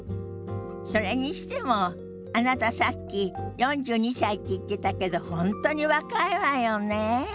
それにしてもあなたさっき４２歳って言ってたけど本当に若いわよねえ。